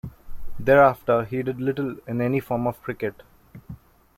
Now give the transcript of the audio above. Thereafter he did little in any form of cricket.